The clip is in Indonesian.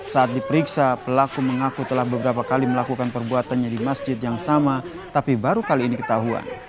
saat diperiksa pelaku mengaku telah beberapa kali melakukan perbuatannya di masjid yang sama tapi baru kali ini ketahuan